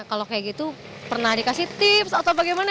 kalau kayak gitu pernah dikasih tips atau bagaimana